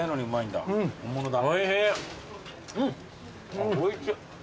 あっおいしい。